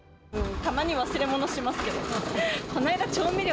たまに忘れ物しますけど。